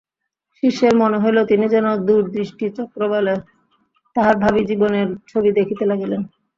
শিষ্যের মনে হইল, তিনি যেন দূরদৃষ্টি-চক্রবালে তাঁহার ভাবী জীবনের ছবি দেখিতে লাগিলেন।